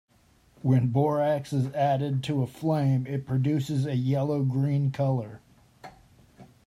When borax is added to a flame, it produces a yellow green color.